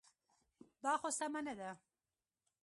دا خو سمه نه ده.